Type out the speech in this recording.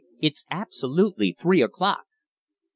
It's absolutely three o'clock!"